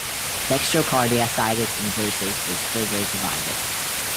Dextrocardia situs inversus is further divided.